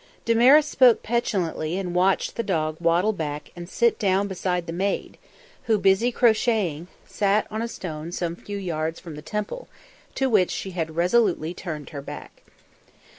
Damaris spoke petulantly and watched the dog waddle back and sit down beside the maid, who, busy crocheting, sat on a stone some few yards from the Temple, to which she had resolutely turned her back.